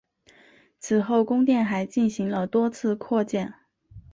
此后宫殿还进行了多次扩建。